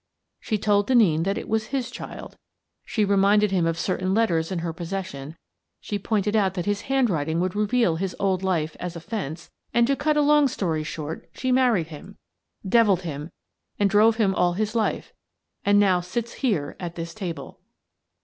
She told Denneen that it was his child ; she reminded him of certain letters in her possession; she pointed out that his handwriting would reveal his old life as a * fence/ and, to cut a long story short, she married him, devilled him, and drove him all his life — and now sits here at this table."